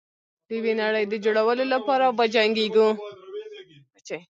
د یوې نړۍ د جوړولو لپاره وجنګیږو.